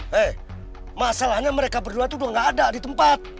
hei masalahnya mereka berdua itu udah gak ada di tempat